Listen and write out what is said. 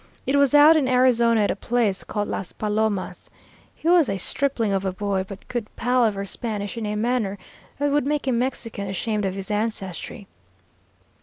It was out in Arizona at a place called Las Palomas. He was a stripling of a boy, but could palaver Spanish in a manner that would make a Mexican ashamed of his ancestry.